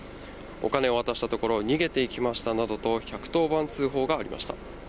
お金を渡したところ、逃げていきましたなどと１１０番通報がありました。